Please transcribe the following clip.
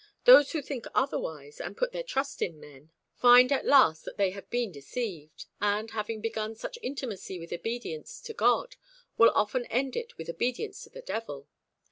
Those who think otherwise, and put their trust in men, find at last that they have been deceived, and, having begun such intimacy with obedience to God, will often end it with obedience to the devil.